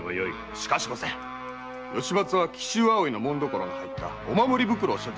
しかし吉松は紀州葵の紋所の入ったお守り袋を所持してます。